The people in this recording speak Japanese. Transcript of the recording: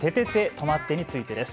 とまって！についてです。